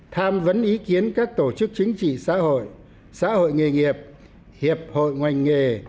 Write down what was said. tham vấn ý kiến các tổ chức chính trị xã hội xã hội nghề nghiệp hiệp hội ngành nghề